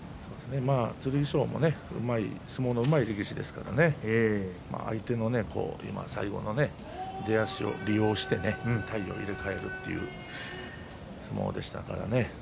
剣翔は相撲のうまい力士ですから相手の最後の出足を利用して体を入れ替えたという相撲でしたからね。